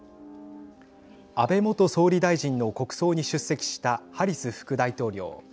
安倍元総理大臣の国葬に出席したハリス副大統領。